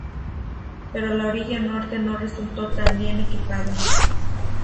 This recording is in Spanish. Pero la orilla norte no resultó tan bien equipada.